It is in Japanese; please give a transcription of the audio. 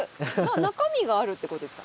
中身があるってことですか？